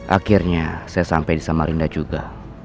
akhirnya saya sampai di samarinda juga